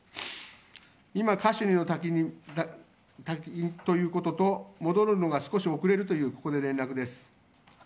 今、カシュニの滝ということと戻るのが少し遅れるというここで、連絡です。